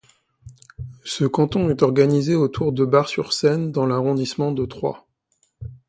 Ce canton est organisé autour de Bar-sur-Seine dans l'arrondissement de Troyes.